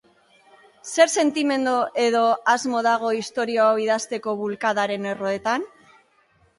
Zer sentimendu edo asmo dago istorio hau idazteko bulkadaren erroetan?